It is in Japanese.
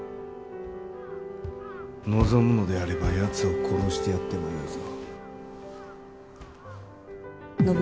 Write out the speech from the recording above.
望むのであればやつを殺してやってもよいぞ。